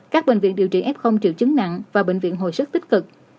các bệnh viện điều trị f triệu chứng nặng và bệnh viện hồi sức tích cực